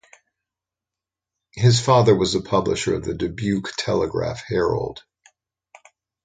His father was the publisher of the Dubuque Telegraph-Herald.